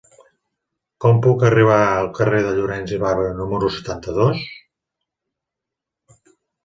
Com puc arribar al carrer de Llorens i Barba número setanta-dos?